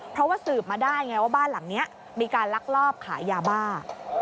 เพราะว่าสืบมาได้ไงว่าบ้านหลังนี้มีการลักลอบขายยาบ้า